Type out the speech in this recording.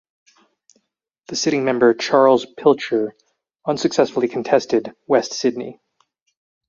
The sitting member Charles Pilcher unsuccessfully contested West Sydney.